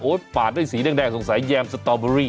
ปาดด้วยสีแดงสงสัยแยมสตอเบอรี่